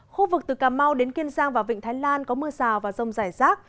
khu vực từ cà mau đến kiên giang và vịnh thái lan có mưa rào và rông rải rác